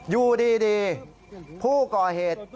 อยู่ดีผู้ก่อเหตุ